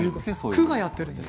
区がやっているんです。